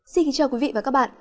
xin kính chào quý vị và các bạn